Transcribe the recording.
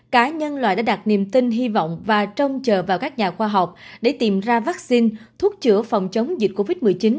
cá nhân loại đã đặt niềm tin hy vọng và trông chờ vào các nhà khoa học để tìm ra vaccine thuốc chữa phòng chống dịch covid một mươi chín